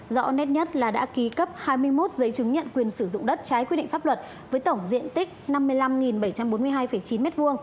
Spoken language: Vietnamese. rõ nét nhất là đã ký cấp hai mươi một giấy chứng nhận quyền sử dụng đất trái quy định pháp luật với tổng diện tích năm mươi năm bảy trăm bốn mươi hai chín m hai